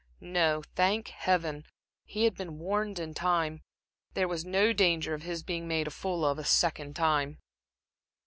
No, thank Heaven, he had been warned in time; there was no danger of his being made a fool of a second time.